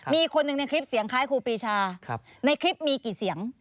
มีคนหนึ่งในคลิปเสียงคล้ายครูปีชาในคลิปมีกี่เสียง